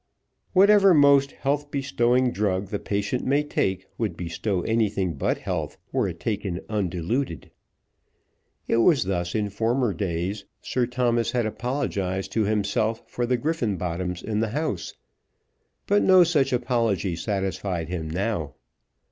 Whatever most health bestowing drug the patient may take would bestow anything but health were it taken undiluted. It was thus in former days Sir Thomas had apologised to himself for the Griffenbottoms in the House; but no such apology satisfied him now.